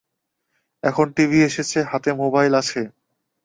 এখন টিভি এসেছে, হাতে মোবাইল আছে।